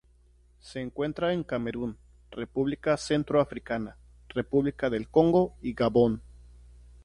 Se encuentra en Camerún, República Centroafricana, República del Congo y Gabón.